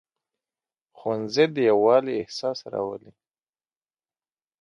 ښوونځی د یووالي احساس راولي